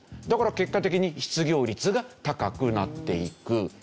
だから結果的に失業率が高くなっていく。